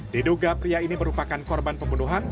diduga pria ini merupakan korban pembunuhan